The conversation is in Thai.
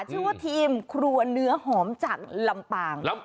ชื่อว่าทีมครัวเนื้อหอมจากลำปาง